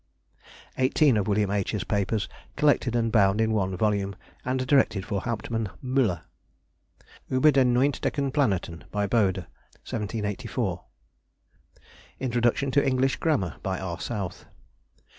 Eighteen of Wm. H.'s Papers, collected and bound in one volume, and directed for Hauptman Müller. Über den Neuentdecken Planeten, by Bode, 1784. Introduction to English Grammar, by R. South.